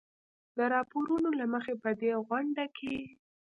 د راپورونو له مخې په دې غونډه کې